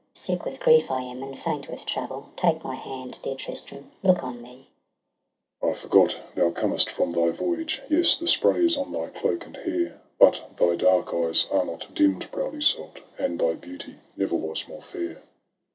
Sick with grief I am, and faint with travel — Take my hand — dear Tristram, look on me ! Tristram. I forgot, thou comest from thy voyage — Yes, the spray is on thy cloak and hair. But thy dark eyes are not dimm'd, proud Iseult ! And thy beauty never was more fair.